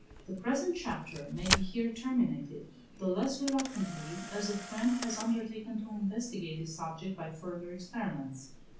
The present chapter may be here terminated, the less reluctantly, as a friend has undertaken to investigate this subject by further experiments.